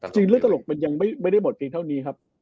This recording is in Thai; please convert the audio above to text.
จริงเลือกตลกมันยังไม่ได้หมดจริงเท่านี้ครับ